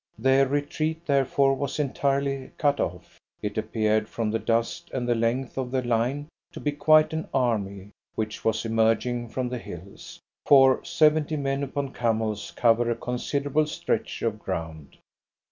Their retreat, therefore, was entirely cut off. It appeared, from the dust and the length of the line, to be quite an army which was emerging from the hills, for seventy men upon camels cover a considerable stretch of ground.